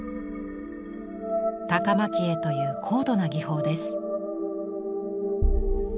「高蒔絵」という高度な技法です。